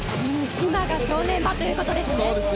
今が正念場ということですね。